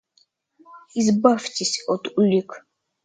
Избавьтесь от улик.